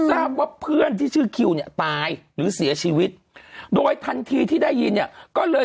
ทราบว่าเพื่อนที่ชื่อคิวเนี่ยตายหรือเสียชีวิตโดยทันทีที่ได้ยินเนี่ยก็เลย